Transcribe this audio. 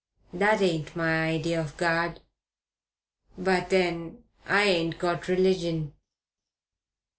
That ain't my idea of Gawd. But then I ain't got religion."